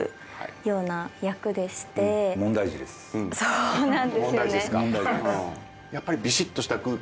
そうなんですよね。